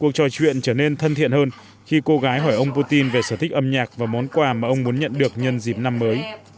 cuộc trò chuyện trở nên thân thiện hơn khi cô gái hỏi ông putin về sở thích âm nhạc và món quà mà ông muốn nhận được nhân dịp năm mới